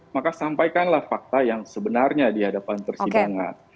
maka sampaikanlah fakta yang sebenarnya di hadapan persidangan